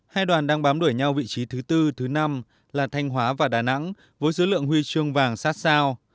hai đoàn đang bám đuổi nhau vị trí thứ bốn thứ năm là thanh hóa và đà nẵng với số lượng huy chương vàng sát sao